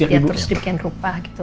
ya terus di bikin rupa gitu